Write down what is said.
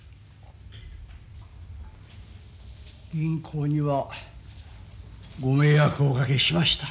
銀行にはご迷惑をおかけしました。